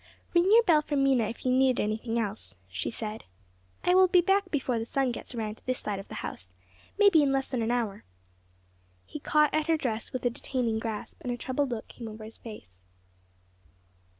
"Ring your bell for Mena if you need anything else," she said. "I will be back before the sun gets around to this side of the house, maybe in less than an hour." He caught at her dress with a detaining grasp, and a troubled look came over his face.